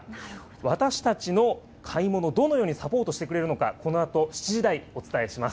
私たちの買い物、どのようにサポートしてくれるのか、このあと７時台、お伝えします。